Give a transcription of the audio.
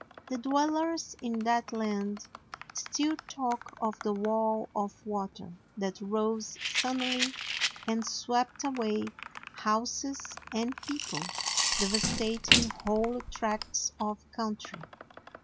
The dwellers in that land still talk of the wall of water that rose suddenly and swept away houses and people, devastating whole tracts of country.